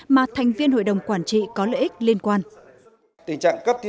mà thành viên hội đồng quản trị có lợi ích liên quan